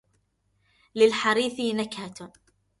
للحريثي نكهة